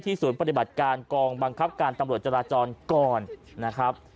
ศูนย์ปฏิบัติการกองบังคับการตำรวจจราจรก่อนนะครับ